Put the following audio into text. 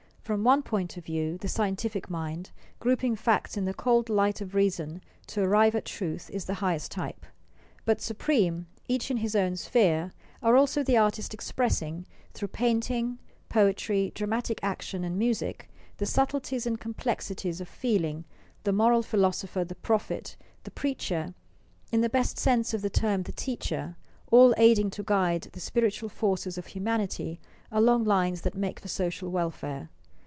From one point of view, the scientific mind, grouping facts in the cold light of reason to arrive at truth, is the highest type. But supreme, each in his own sphere, are also the artist expressing, through painting, poetry, dramatic action, and music, the subtleties and complexities of feeling, the moral philosopher, the prophet, the preacher, in the best sense of the term the teacher, all aiding to guide the spiritual forces of humanity along lines that make for social welfare.